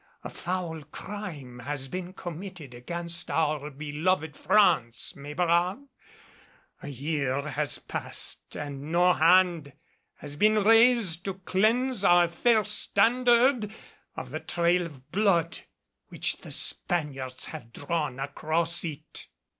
A foul crime has been committed against our beloved France, mes braves. A year has passed and no hand has been raised to cleanse our fair Standard of the trail of blood which the Spaniards have drawn across it."